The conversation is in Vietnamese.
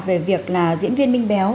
về việc diễn viên minh béo